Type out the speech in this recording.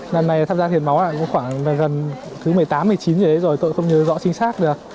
lần này tham gia hiến máu khoảng thứ một mươi tám một mươi chín rồi tôi không nhớ rõ chính xác được